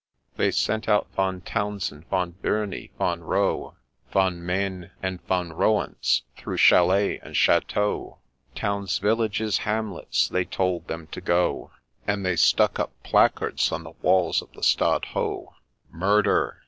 They sent out Von Taiinsend, Von Biirnie, Von Roe, Von Maine, and Von Rowantz — through chalets and cha teaux, Towns, villages, hamlets, they told them to go, And they stuck up placards on the walls of the Stadthaus. ' MURDER